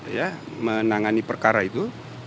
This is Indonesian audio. ya menangani perkara itu